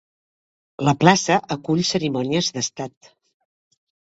La plaça acull cerimònies d'Estat.